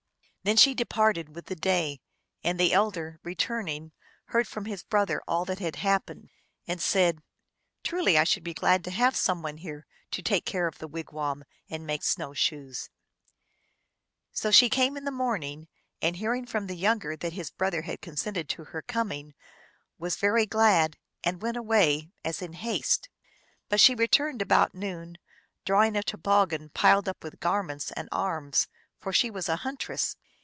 Then she de parted with the day, and the elder, returning, heard from his brother all that had happened, and said, "Truly I should be glad to have some one here to take care of the wigwam and make snow shoes." THE PARTRIDGE. 297 So she came in the morning, and hearing from the younger that his brother had consented to her coming was very glad, and went away, as in haste. But she returned about noon, drawing a tdboggin (sled) piled up with garments and arms, for she was a huntress.